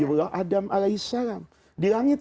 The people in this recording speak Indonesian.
allah adam alaihissalam di langit